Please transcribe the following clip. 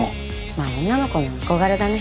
まあ女の子の憧れだね。